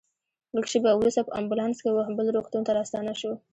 لږ شېبه وروسته په امبولانس کې وه بل روغتون ته راستانه شوو.